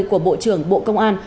của bộ trưởng bộ công an